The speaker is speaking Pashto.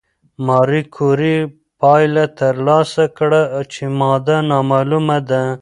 ماري کوري پایله ترلاسه کړه چې ماده نامعلومه ده.